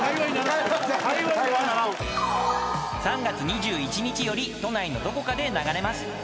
［３月２１日より都内のどこかで流れます］